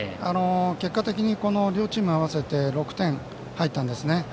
結果的に両チーム合わせて６点が入ったんですね。